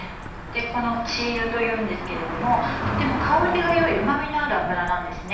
この鶏油というんですけれどもとても香りが良いうまみのある油なんですね。